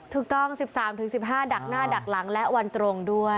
ถูกต้อง๑๓๑๕ดักหน้าดักหลังและวันตรงด้วย